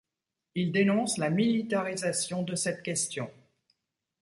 Il dénonce la militarisation de cette question.